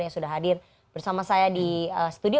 yang sudah hadir bersama saya di studio